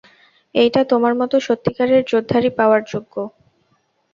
এইটা তোমার মতো সত্যিকারের যোদ্ধার ই পাওয়ার যোগ্য।